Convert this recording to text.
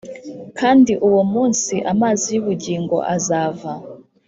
Kandi uwo munsi amazi y ubugingo azava